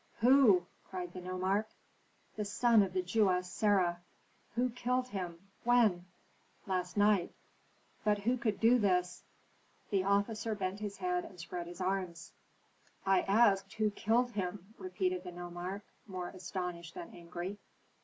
Who?" cried the nomarch. "The son of the Jewess Sarah." "Who killed him? When " "Last night." "But who could do this?" The officer bent his head and spread his arms. "I asked who killed him?" repeated the nomarch, more astonished than angry.